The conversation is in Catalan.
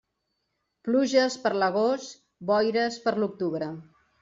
Pluges per l'agost, boires per l'octubre.